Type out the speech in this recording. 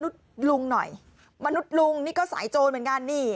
ลุงหน่อยมนุษย์ลุงนี่ก็สายโจรเหมือนกันนี่